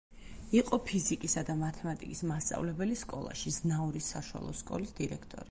იყო ფიზიკისა და მათემატიკის მასწავლებელი სკოლაში, ზნაურის საშუალო სკოლის დირექტორი.